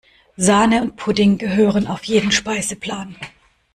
Sahne und Pudding gehören auf jeden Speiseplan.